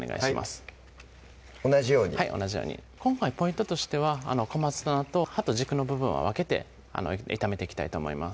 はい同じように同じように今回のポイントとしては葉と軸の部分は分けて炒めていきたいと思います